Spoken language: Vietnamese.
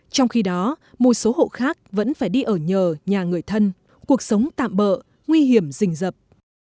trong khi đó một số hộ khác vẫn phải đi ở nhờ nhà người thân cuộc sống tạm bỡ nguy hiểm rình rập